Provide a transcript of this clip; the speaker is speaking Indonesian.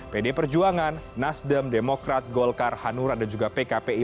pdi perjuangan nasdem demokrat golkar hanurat dan juga pkpi